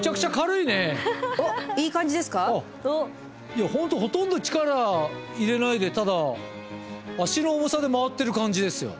いや本当ほとんど力入れないでただ足の重さで回ってる感じですよ。